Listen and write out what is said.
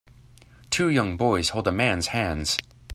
Two young boys hold a man 's hands.